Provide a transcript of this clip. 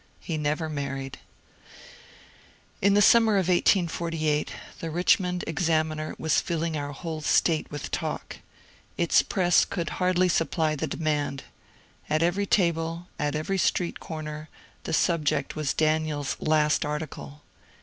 He never married. In the summer of 1848 the ^^ Richmond Examiner " was filling our whole State with talk. Its press could hardly supply the demand. At every table, at every street comer, the subject was Daniel's last article.